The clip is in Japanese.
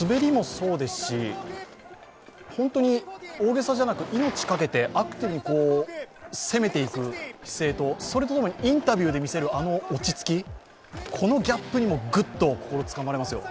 滑りもそうですし本当に大げさじゃなく命かけて、アクティブに攻めていく姿勢と、それとともにインタビューで見せるあの落ち着きこのギャップにグッと心をつかまれますよ。